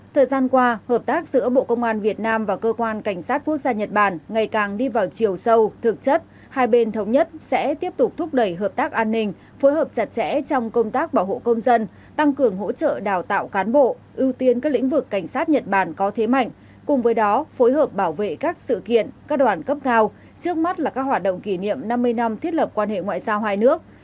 thời gian qua hợp tác giữa bộ công an việt nam và cơ quan cảnh sát quốc gia nhật bản ngày càng đi vào chiều sâu thực chất hai bên thống nhất sẽ tiếp tục thúc đẩy hợp tác an ninh phối hợp chặt chẽ trong công tác bảo hộ công dân tăng cường hỗ trợ đào tạo cán bộ ưu tiên các lĩnh vực cảnh sát nhật bản có thế mạnh cùng với đó phối hợp bảo vệ các sự kiện các đoàn cấp cao trước mắt là các hoạt động kỷ niệm năm mươi năm thiết lập quan hệ ngoại giao hai nước